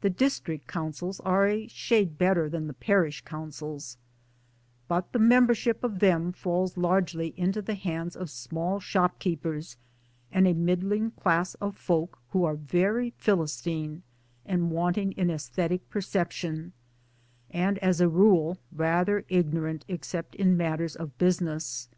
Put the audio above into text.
The District Councils are a shade better than the Parish Councils ; but the member ship of them falls largely into the hands of small shopkeepers and a middling; class of folk' who are very philistine and wanting in aesthetic perception, and as a rule rather ignorant except in matters of business.